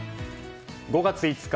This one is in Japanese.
５月５日